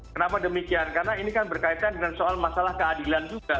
kenapa demikian karena ini kan berkaitan dengan soal masalah keadilan juga